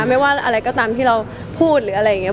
ไม่ว่าอะไรก็ตามที่เราพูดหรืออะไรอย่างนี้